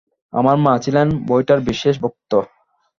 আমার মা ছিলেন বইটার বিশেষ ভক্ত।